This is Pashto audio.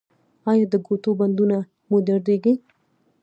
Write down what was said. ایا د ګوتو بندونه مو دردیږي؟